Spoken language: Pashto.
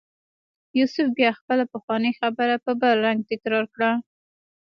یوسف بیا خپله پخوانۍ خبره په بل رنګ تکرار کړه.